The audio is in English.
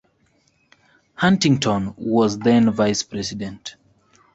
Huntington was then Vice President.